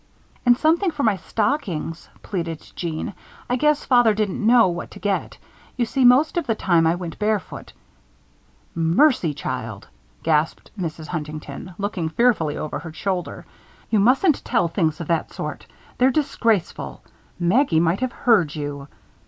"And something for my stockings," pleaded Jeanne. "I guess father didn't know what to get. You see, most of the time I went barefoot " "Mercy, child!" gasped Mrs. Huntington, looking fearfully over her shoulder. "You mustn't tell things of that sort. They're disgraceful. Maggie might have heard you."